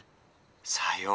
「さよう。